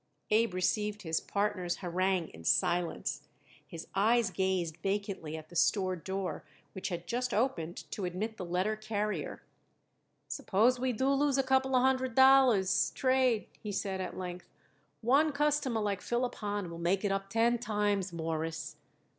Abe received his partner's harangue in silence. His eyes gazed vacantly at the store door, which had just opened to admit the letter carrier. "Suppose we do lose a couple of hundred dollars trade," he said at length; "one customer like Philip Hahn will make it up ten times, Mawruss."